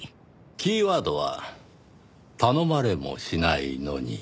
キーワードは「頼まれもしないのに」。